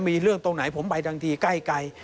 มีเรื่องตรงไหนผมไปทันทีใกล้